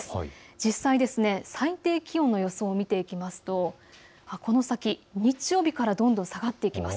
実際、最低気温の予想を見ていきますと、この先、日曜日からどんどん下がっていきます。